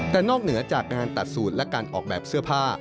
แต่นอกเหนือจากการตัดสูตรและการออกแบบเสื้อผ้า